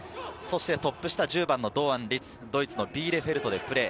トップ下１０番の堂安律、ドイツのビーレフェルトでプレー。